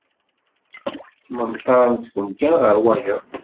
Ttmenṭaren seg umkan ɣer wayeḍ.